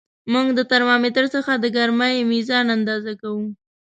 موږ د ترمامتر څخه د ګرمۍ میزان اندازه کوو.